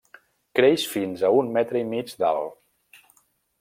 Creix fins a un metre i mig d'alt.